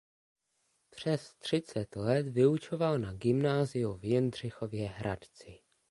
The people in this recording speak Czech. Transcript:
Přes třicet let vyučoval na gymnáziu v Jindřichově Hradci.